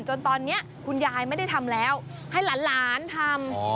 จนตอนนี้คุณยายไม่ได้ทำแล้วให้หลานทำ